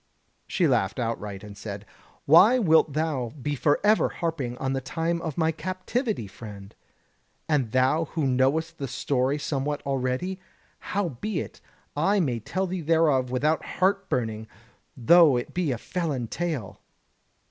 She laughed outright, and said: "Why wilt thou be forever harping on the time of my captivity, friend? And thou who knowest the story somewhat already? Howbeit, I may tell thee thereof without heart burning, though it be a felon tale."